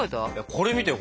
これ見てよ